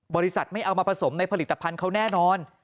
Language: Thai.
บริษัทไม่เอามาผสมในผลิตภัณฑ์เขาแน่นอน